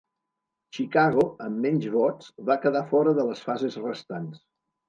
Chicago, amb menys vots, va quedar fora de les fases restants.